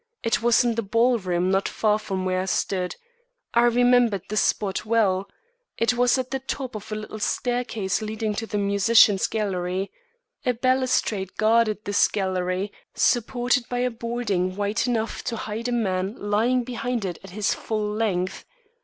It was in the ballroom not far from where I stood. I remembered the spot well. It was at the top of a little staircase leading to the musicians' gallery. A balustrade guarded this gallery, supported by a boarding wide enough to hide a man lying behind it at his full length.